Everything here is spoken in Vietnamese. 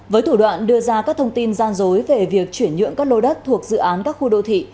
với thủ đoạn đưa ra các thông tin gian dối về việc chuyển nhượng các lô đất thuộc dự án các khu đô thị